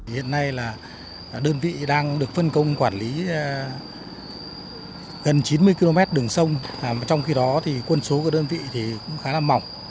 gần chín mươi km đường sông trong khi đó quân số của đơn vị cũng khá là mỏng